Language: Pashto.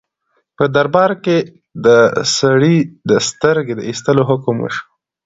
په دربار کې د سړي د سترګې د ایستلو حکم وشو.